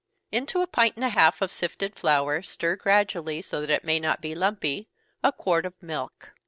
_ Into a pint and a half of sifted flour stir gradually, so that it may not be lumpy, a quart of milk.